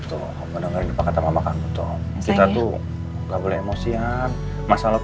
tuh mendengar ini pak kata mama kamu toh kita tuh gak boleh emosian masalah